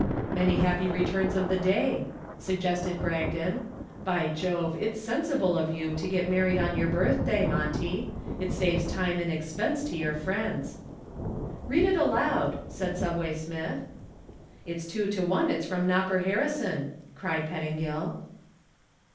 "Many happy returns of the day," suggested Bragdon. "By Jove, it's sensible of you to get married on your birthday, Monty. It saves time and expense to your friends." "Read it aloud," said "Subway" Smith. "Two to one it's from Nopper Harrison," cried Pettingill.